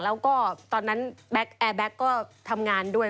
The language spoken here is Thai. แล้วก็ตอนนั้นแอร์แบ็คก็ทำงานด้วย